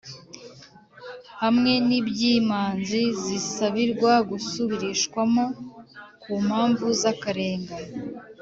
hamwe n’iby’imanza zisabirwa gusubirishwamo ku mpamvu z’akarengane.